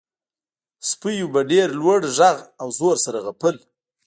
سپیو په ډیر لوړ غږ او زور سره غپل